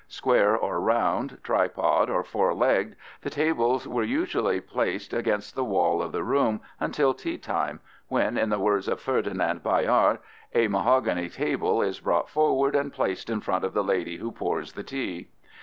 Square or round, tripod or four legged, the tables were usually placed against the wall of the room until teatime when, in the words of Ferdinand Bayard, "a mahogany table is brought forward and placed in front of the lady who pours the tea."